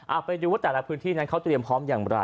เอาไปดูว่าแต่ละพื้นที่นั้นเขาเตรียมพร้อมอย่างไร